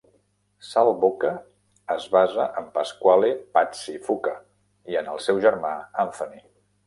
Sal Boca es basa en Pasquale "Patsy" Fuca i en el seu germà Anthony.